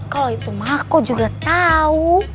kalo itu maksudnya juga tau